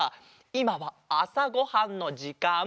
いまはあさごはんのじかん。